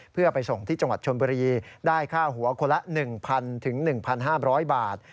เพื่อไปส่งที่จังหวัดชนบุรีได้ค่าหัวคนละ๑๐๐๑๕๐๐บาท